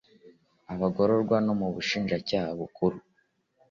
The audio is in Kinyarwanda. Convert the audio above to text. abagororwa no mu bushinjacyaha bukuru